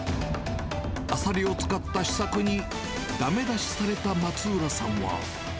アサリを使った試作に、だめ出しされた松浦さんは。